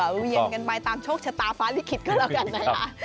เวียนกันไปตามโชคชะตาฟ้าลิขิตก็แล้วกันนะคะ